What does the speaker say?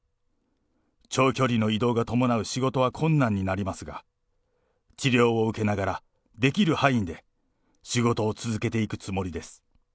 長距離の移動が伴う仕事は困難になりますが、治療を受けながら、できる範囲で仕事を続けていくつもりです。